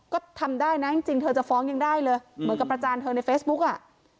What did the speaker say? ก็ทำได้นะจริงเธอจะฟ้องยังได้เลยเหมือนกับประจานเธอในเฟซบุ๊กอ่ะ